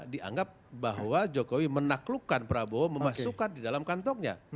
dianggap bahwa jokowi menaklukkan prabowo memasukkan di dalam kantongnya